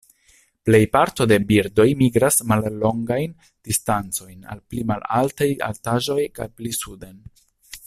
Plej parto de birdoj migras mallongajn distancojn al pli malaltaj altaĵoj kaj pli suden.